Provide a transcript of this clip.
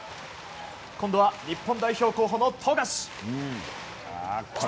今度は、日本代表候補の富樫。